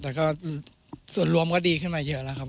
แต่ก็ส่วนรวมก็ดีขึ้นมาเยอะแล้วครับ